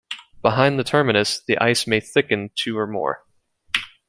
Behind the terminus, the ice may thicken to or more.